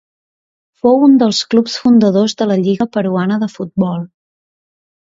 Fou un dels clubs fundadors de la lliga peruana de futbol.